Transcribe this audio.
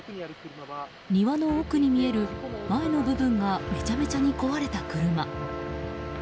庭の奥に見える、前の部分がめちゃめちゃに壊れた車。